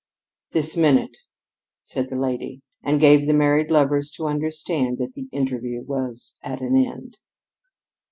"This minute," said the lady, and gave the married lovers to understand that the interview was at an end.